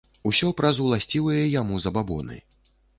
Усё праз уласцівыя яму забабоны.